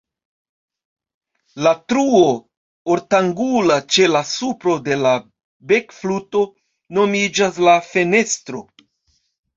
La truo ortangula ĉe la supro de la bekfluto nomiĝas la "fenestro".